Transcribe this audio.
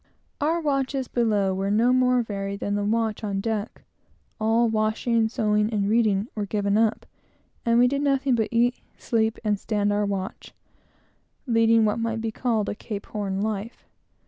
Our watches below were no more varied than the watch on deck. All washing, sewing, and reading was given up; and we did nothing but eat, sleep, and stand our watch, leading what might be called a Cape Horn life.